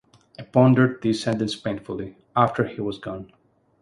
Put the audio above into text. I pondered this sentence painfully, after he was gone.